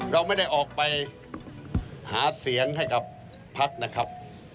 เราไม่ได้ออกไปหาเสียงให้กับพักนะครับ